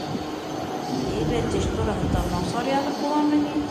— Һәйбәт эш тураһында насар яҙып буламы ни?